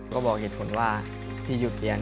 ก็บอกเหตุผลว่าที่หยุดเรียน